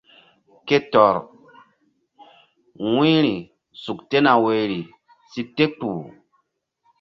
Ké tɔr wu̧yri suk tena woyri si te kpuh.